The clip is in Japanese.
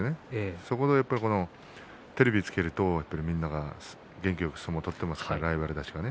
そこでテレビをつけるとみんなが元気よく相撲を取っていますからね。